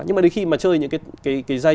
nhưng mà đến khi mà chơi những cái giai điệu này